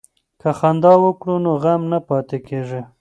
که خندا وکړو نو غم نه پاتې کیږي.